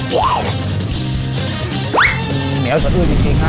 เหมียวสะอืดจริงค่ะ